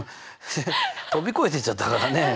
飛び越えていっちゃったからね。